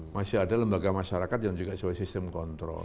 masih ada lembaga masyarakat yang juga sesuai sistem kontrol